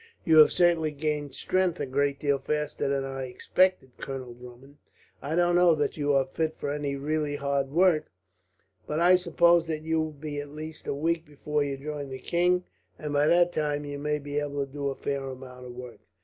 "You have certainly gained strength a great deal faster than I expected, Colonel Drummond. I don't know that you are fit for any really hard work, but I suppose that you will be at least a week before you join the king; and by that time you may be able to do a fair amount of work."